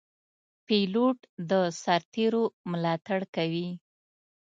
پیلوټ د سرتېرو ملاتړ کوي.